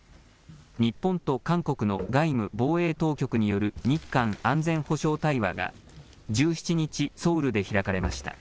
日本と韓国の外務・防衛当局による日韓安全保障対話が１７日ソウルで開かれました。